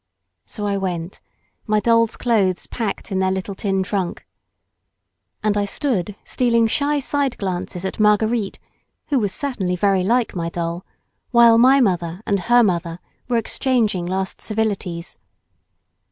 So I went, my doll's clothes packed in their little tin trunk. And I stood stealing shy side glances at Marguerite, who was certainly very like my doll, while my mother and her mother were exchanging last civilities.